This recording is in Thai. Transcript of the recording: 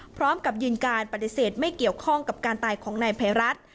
พร้อมกับยืนการปฏิเสธไม่เกี่ยวข้องกับการตายของนายภัยรัฐ